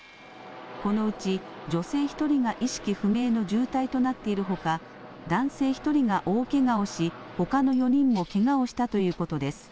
このうち女性１人が意識不明の重体となっているほか、男性１人が大けがをし、ほかの４人もけがをしたということです。